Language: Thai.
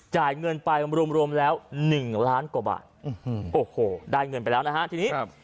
จ่ายเงินไปรวมรวมแล้ว๑ล้านกว่าบาทโอ้โหได้เงินไปแล้วนะฮะทีนี้ครับ